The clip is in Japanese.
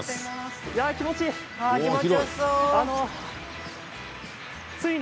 気持ちいい。